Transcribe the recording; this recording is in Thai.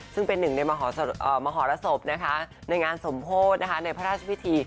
ซึ่งเป็นหนึ่งในมหรสบในงานสมโพธิในพระราชพิธี